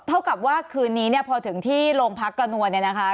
เท่ากับว่าคืนนี้เนี่ยพอถึงที่โรงพักกระนวลเนี่ยนะคะ